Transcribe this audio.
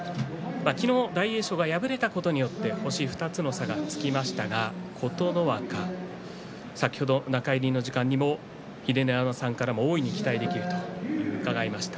昨日、大栄翔は敗れたことによって星２つの差がつきましたが琴ノ若、先ほど中入りの時間にも秀ノ山さんから大いに期待できると伺いました。